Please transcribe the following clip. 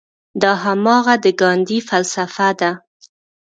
دا هماغه د ګاندي فلسفه ده.